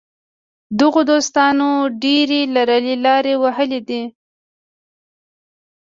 دغو دوستانو ډېرې لرې لارې وهلې دي.